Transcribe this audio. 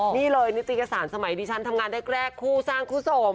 นี่เลยนิตยสารสมัยดิฉันทำงานแรกคู่สร้างคู่สม